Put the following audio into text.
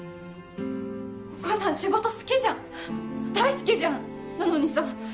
お母さん仕事好きじゃん大好きじゃんなのにさ